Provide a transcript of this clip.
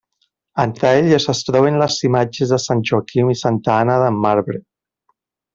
Entre elles es troben les imatges de Sant Joaquim i Santa Anna en marbre.